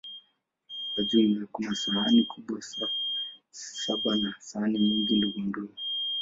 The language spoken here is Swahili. Kwa jumla, kuna sahani kubwa saba na sahani nyingi ndogondogo.